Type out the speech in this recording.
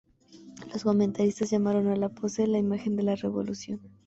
Los comentaristas llamaron a la pose "la imagen de la revolución".